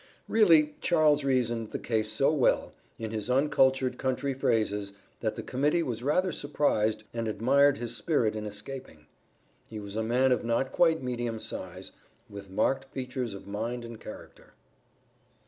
Really Charles reasoned the case so well, in his uncultured country phrases, that the Committee was rather surprised, and admired his spirit in escaping. He was a man of not quite medium size, with marked features of mind and character.